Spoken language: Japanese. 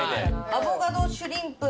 アボカドシュリンプ。